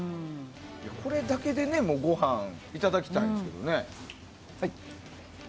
これだけでご飯いただきたいんですけどね。